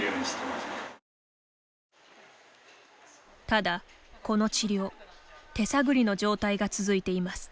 ただ、この治療手探りの状態が続いています。